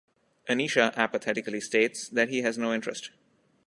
Anisha apathetically states that he has no interest.